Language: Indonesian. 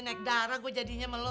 naik darah gue jadinya sama lo